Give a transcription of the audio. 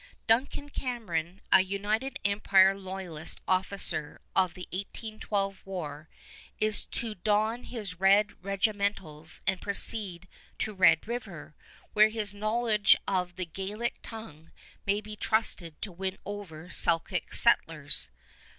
Duncan Cameron, a United Empire Loyalist officer of the 1812 War, is to don his red regimentals and proceed to Red River, where his knowledge of the Gaelic tongue may be trusted to win over Selkirk settlers.